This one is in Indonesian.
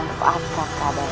aku akan melakukan keadaannya